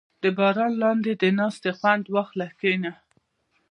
• د باران لاندې د ناستې خوند واخله، کښېنه.